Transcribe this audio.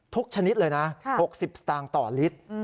ชนิดเลยนะ๖๐สตางค์ต่อลิตร